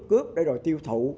cướp để rồi tiêu thụ